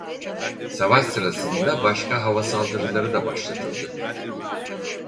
Savaş sırasında başka hava saldırıları da başlatıldı.